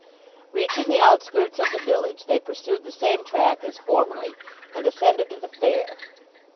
Reaching the outskirts of the village they pursued the same track as formerly, and ascended to the fair.